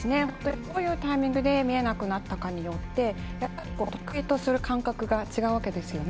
どういうタイミングで見えなくなったかによって得意とする感覚が違うわけですよね。